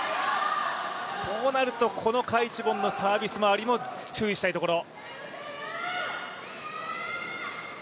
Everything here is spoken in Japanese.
そうなると、この賈一凡のサービス周りも注意したいところ。